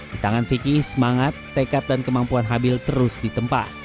di tangan vicky semangat tekad dan kemampuan habil terus ditempa